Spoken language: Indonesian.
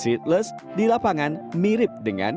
seatless di lapangan mirip dengan